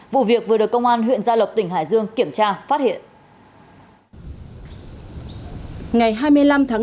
vụ việc vừa được công an huyện gia lộc tỉnh hải dương kiểm tra phát hiện